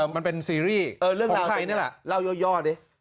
มันเป็นซีรีส์ของไทยนี่แหละเออเรื่องราวนี้เล่ายอดนี่